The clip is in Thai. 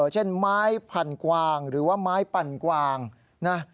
เช่นไม้พันกวางหรือว่าไม้ปั่นกวางนะ